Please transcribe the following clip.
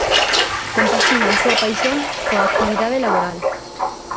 Compaxina a súa paixón coa actividade laboral.